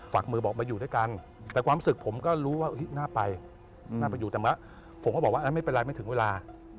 ฝากมือบอกมาอยู่ด้วยกันแต่ความสุขผมก็รู้ว่าน่าไปน่าไปอยู่แต่ว่าผมก็บอกว่าไม่เป็นไรไม่ถึงเวลา